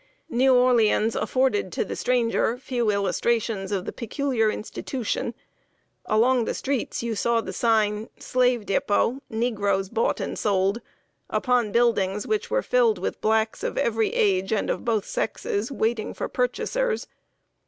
New Orleans afforded to the stranger few illustrations of the "Peculiar Institution." Along the streets, you saw the sign, "Slave Dépôt Negroes bought and sold," upon buildings which were filled with blacks of every age and of both sexes, waiting for purchasers.